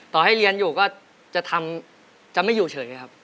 ให้เรียนอยู่ก็จะทำจะไม่อยู่เฉยไงครับ